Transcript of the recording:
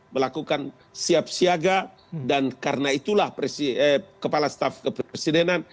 melakukan siap siaga dan karena itulah kepala staf kepresidenan